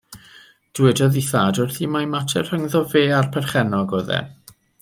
Dywedodd ei thad wrthi mai mater rhyngddo fo a'r perchennog oedd o.